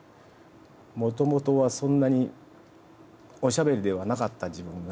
もともとはそんなにおしゃべりではなかった自分が。